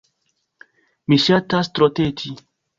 Mi ŝatas troteti.